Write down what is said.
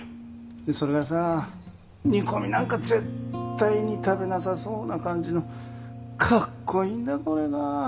それがさ煮込みなんか絶対に食べなさそうな感じのかっこいいんだこれが。